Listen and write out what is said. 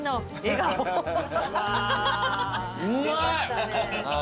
うまい！